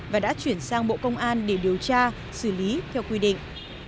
và đã chuyển sang bộ công an để điều tra xử lý theo quy định